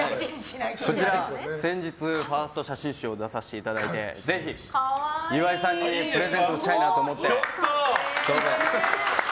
こちら先日ファースト写真集を出させていただいてぜひ岩井さんにプレゼントしたいなと思って。